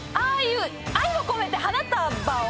愛をこめて花束を？